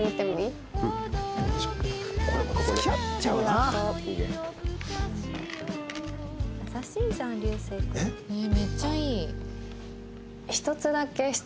ねっめっちゃいい。